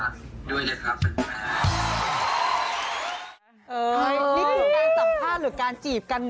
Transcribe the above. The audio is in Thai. ด้วยเดือนคราวสำรรค